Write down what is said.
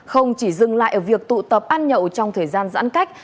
không chỉ dừng lại ở việc tụ tập ăn nhậu trong thời gian giãn cách